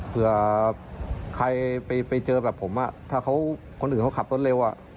เผื่อใครไปเจอแบบผมถ้าคนอื่นเขาขับรถเร็ว